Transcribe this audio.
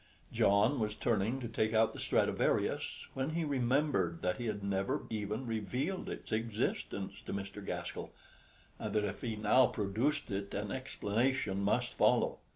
John was turning to take out the Stradivarius when he remembered that he had never even revealed its existence to Mr. Gaskell, and that if he now produced it an explanation must follow.